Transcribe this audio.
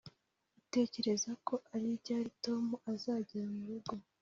utekereza ko ari ryari tom azagera murugo